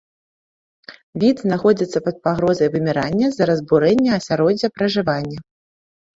Від знаходзіцца пад пагрозай вымірання з-за разбурэння асяроддзя пражывання.